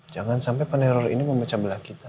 jangan sampai peneror ini memecablah kita